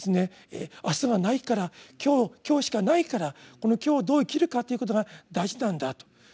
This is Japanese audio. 明日がないから今日今日しかないからこの今日をどう生きるかということが大事なんだと。